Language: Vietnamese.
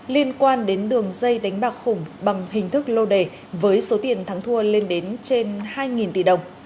liên quan đến đường dây đánh bạc khủng bằng hình thức lô đề với số tiền thắng thua lên đến trên hai tỷ đồng